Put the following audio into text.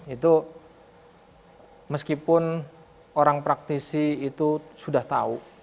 itu meskipun orang praktisi itu sudah tahu